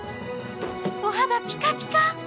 お肌ピカピカ。